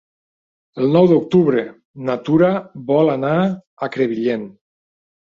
El nou d'octubre na Tura vol anar a Crevillent.